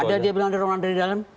ada dia bilang ada ruangan dari dalam